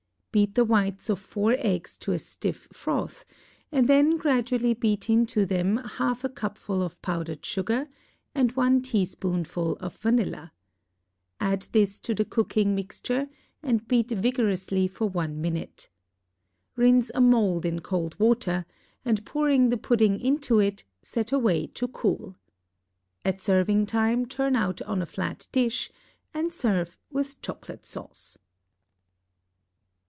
Beat the whites of four eggs to a stiff froth, and then gradually beat into them half a cupful of powdered sugar and one teaspoonful of vanilla. Add this to the cooking mixture, and beat vigorously for one minute. Rinse a mould in cold water, and pouring the pudding into it, set away to cool. At serving time turn out on a flat dish, and serve with chocolate sauce.